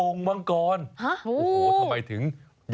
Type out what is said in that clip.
น้ำเดือด